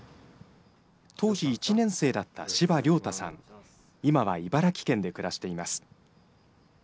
当時１年生だった柴亮太さん、今は茨城県で暮らしています。